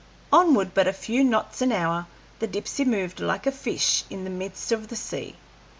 Onward, but a few knots an hour, the Dipsey moved like a fish in the midst of the sea.